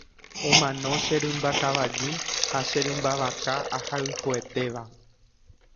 omano che rymba kavaju ha che rymba vaka ahayhuetéva